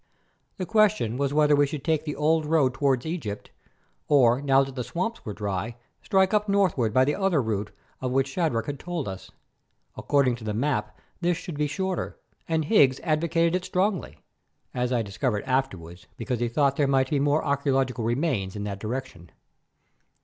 The question was whether we should take the old road toward Egypt, or now that the swamps were dry, strike up northward by the other route of which Shadrach had told us. According to the map this should be shorter, and Higgs advocated it strongly, as I discovered afterwards because he thought there might be more archæological remains in that direction.